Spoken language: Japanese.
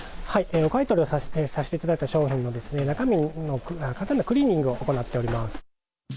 お買い取りをさせていただいた商品の中身の簡単なクリーニングを行っております。